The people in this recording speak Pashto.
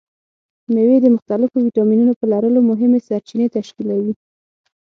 مېوې د مختلفو ویټامینونو په لرلو مهمې سرچینې تشکیلوي.